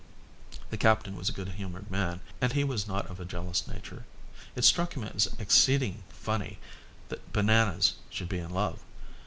The captain was a good humoured man and he was not of a jealous nature; it struck him as exceeding funny that Bananas should be in love.